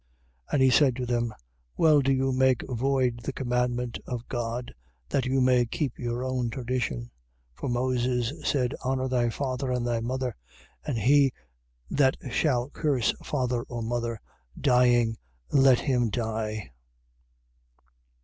7:9. And he said to them: Well do you make void the commandment of God, that you may keep your own tradition. 7:10. For Moses said: Honour thy father and thy mother. And He that shall curse father or mother, dying let him die.